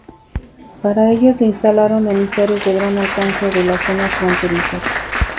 Para ello se instalaron emisores de gran alcance en las zonas fronterizas.